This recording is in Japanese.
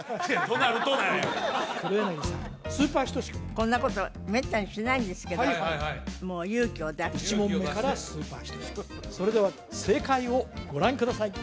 こんなことめったにしないんですけどもう勇気を出して１問目からスーパーヒトシ君それでは正解をご覧ください